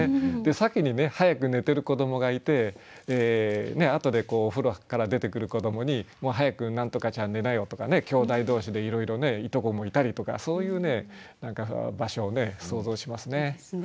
先に早く寝てる子どもがいてあとでお風呂から出てくる子どもに「早く何とかちゃん寝なよ」とかきょうだい同士でいろいろねいとこもいたりとかそういうね何か場所を想像しますね。ですね。